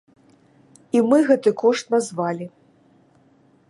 І мы гэты кошт назвалі.